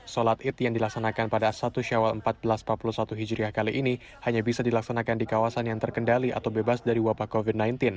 sholat id yang dilaksanakan pada satu syawal seribu empat ratus empat puluh satu hijriah kali ini hanya bisa dilaksanakan di kawasan yang terkendali atau bebas dari wabah covid sembilan belas